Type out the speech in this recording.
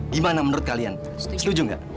gimana menurut kalian setuju nggak